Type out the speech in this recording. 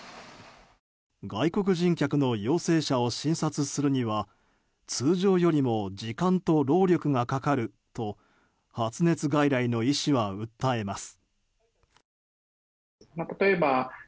外国人客の陽性者を診察するには通常よりも時間と労力がかかると発熱外来の医師は訴えます。